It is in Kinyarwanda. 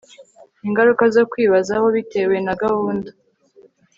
Ingaruka zo Kwibazaho Bitewe na Gahunda